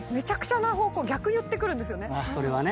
それはね。